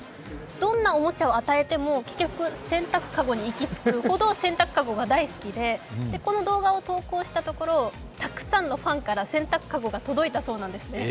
どんなおもちゃを与えても結局、洗濯籠に行き着くほど洗濯籠が大好きで、この動画を投稿したところたくさんのファンから洗濯籠が届いたんだそうです。